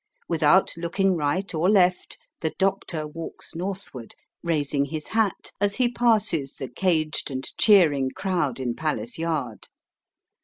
Without looking right or left, the "Doctor" walks northward, raising his hat as he passes the caged and cheering crowd in Palace Yard.